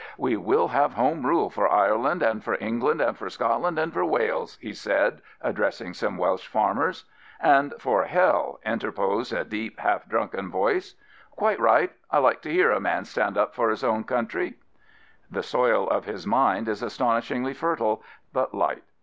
" We will have Home Rule for Ireland and for England and for Scotland and for Wales/' he said, addressing some Welsh farmers. " And for hell," interposed a deep, half drunken voice. " Quite right. I like to hear a man stand up for his own country." The soil of his mind is astonishingly fertile, but light.